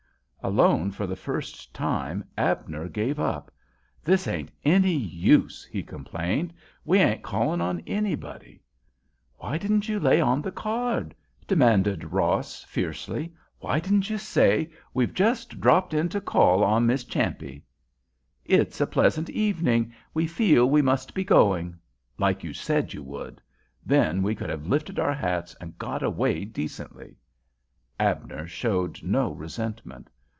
Alone for the first time, Abner gave up. "This ain't any use," he complained. "We ain't calling on anybody." "Why didn't you lay on the card?" demanded Ross, fiercely. "Why didn't you say: ''We've just dropped into call on Miss Champe. It's a pleasant evening. We feel we must be going,' like you said you would? Then we could have lifted our hats and got away decently." Abner showed no resentment.